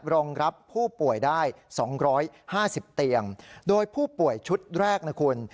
รองรับผู้ป่วยได้สองร้อยห้าสิบเตียงโดยผู้ป่วยชุดแรกนะคุณ